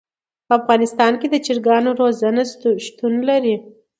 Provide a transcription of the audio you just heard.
په افغانستان کې د چرګانو روزنه شتون لري.